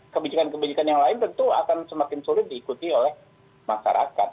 kebijakan kebijakan yang lain tentu akan semakin sulit diikuti oleh masyarakat